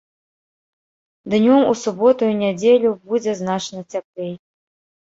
Днём у суботу і нядзелю будзе значна цяплей.